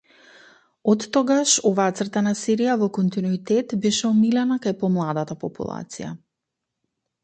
Оттогаш оваа цртана серија во континуитет беше омилена кај помладата популација.